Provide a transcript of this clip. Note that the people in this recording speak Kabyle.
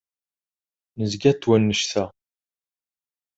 Negza-t wannect-a.